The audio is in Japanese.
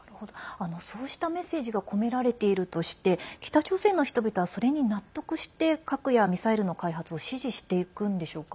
そうしたメッセージが込められているとして北朝鮮の人々は、それに納得して核やミサイルの開発を支持していくんでしょうか？